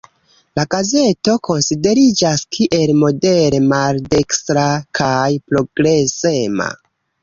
La gazeto konsideriĝas kiel modere maldekstra kaj progresema.